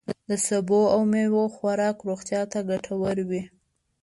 د سبوو او میوو خوراک روغتیا ته ګتور وي.